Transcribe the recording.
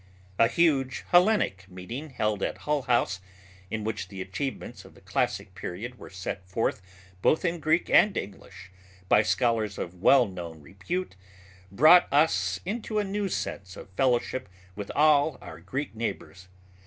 A huge Hellenic meeting held at Hull House, in which the achievements of the classic period were set forth both in Greek and English by scholars of well known repute, brought us into a new sense of fellowship with all our Greek neighbors.